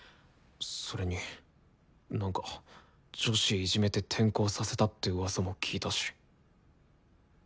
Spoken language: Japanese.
それになんか女子いじめて転校させたってうわさも聞いたし。